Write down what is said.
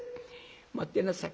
待ってなさい。